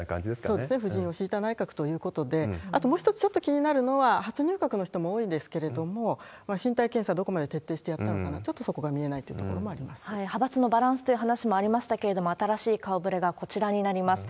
そうですね、布陣を敷いた内閣だということで、あと、もう一つちょっと気になるのは、初入閣の人も多いんですけれども、身体検査、どこまで徹底してやったのかな、ちょっとそこが見えないと派閥のバランスという話もありましたけれども、新しい顔ぶれがこちらになります。